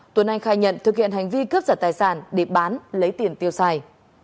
tuấn anh khai nhận thực hiện hành vi cướp giật tài sản để bán lấy tiền tiêu xài